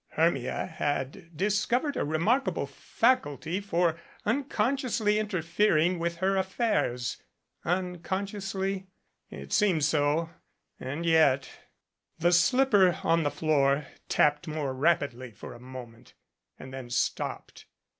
Hcrmia had discovered a remarkable faculty for unconsciously interfering with her affairs. Uncon sciously? It seemed so and yet The slipper on the floor tapped more rapidly for a moment and then stopped.